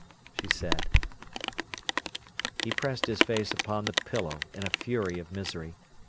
she said. He pressed his face upon the pillow in a fury of misery.